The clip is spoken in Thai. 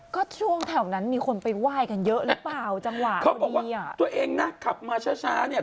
ก็ช่วงแถวนั้นมีคนไปไหว้กันเยอะหรือเปล่าจังหวะเขาบอกว่าตัวเองนะขับมาช้าช้าเนี่ย